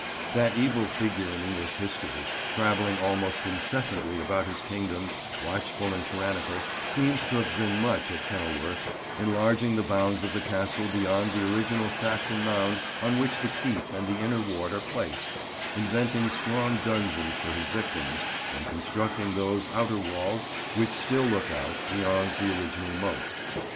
That evil figure in English history, travelling almost incessantly about his kingdom, watchful and tyrannical, seems to have been much at Kenilworth, enlarging the bounds of the Castle beyond the original Saxon mound on which the keep and the inner ward are placed, inventing strong dungeons for his victims, and constructing those outer walls which still look out, beyond the original moat.